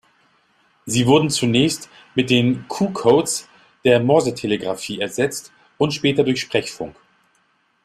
Sie wurden zunächst mit den Q-Codes der Morsetelegrafie ersetzt und später durch Sprechfunk.